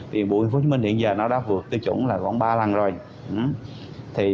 bụi tp hcm hiện giờ nó đã vượt tư chủng gọn ba lần rồi